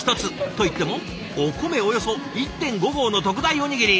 といってもお米およそ１．５合の特大おにぎり。